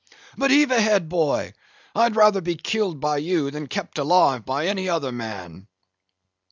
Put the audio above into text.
But, heave ahead, boy, I'd rather be killed by you than kept alive by any other man."